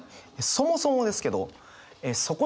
そもそもですけどおお！